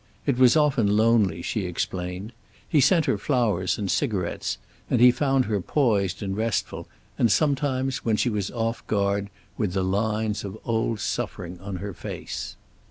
It was often lonely, she explained. He sent her flowers and cigarettes, and he found her poised and restful, and sometimes, when she was off guard, with the lines of old suffering in her face.